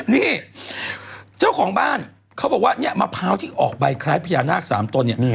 นี่เจ้าของบ้านเขาบอกว่าเนี่ยมะพร้าวที่ออกใบคล้ายพญานาค๓ตนเนี่ย